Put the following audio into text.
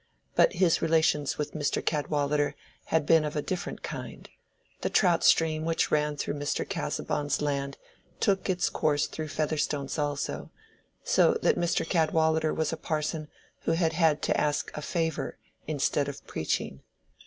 But his relations with Mr. Cadwallader had been of a different kind: the trout stream which ran through Mr. Casaubon's land took its course through Featherstone's also, so that Mr. Cadwallader was a parson who had had to ask a favor instead of preaching.